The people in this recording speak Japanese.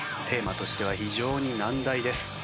テーマとしては非常に難題です。